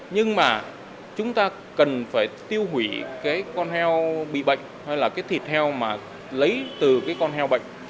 nhưng mà chúng ta cần phải tiêu hủy cái con heo bị bệnh hay là cái thịt heo mà lấy từ cái con heo bệnh